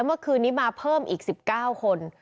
เมื่อคืนนี้มาเพิ่มอีก๑๙คน